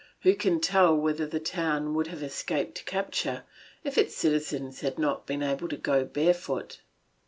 Who can tell whether the town would have escaped capture if its citizens had not been able to go barefoot?